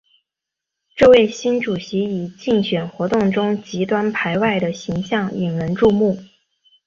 这位新主席以竞选活动中极端排外的形象引人注目。